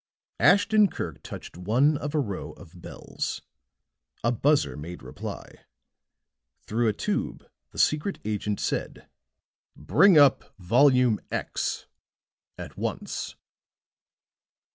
Ashton Kirk touched one of a row of bells. A buzzer made reply; through a tube the secret agent said: "Bring up Volume X at once."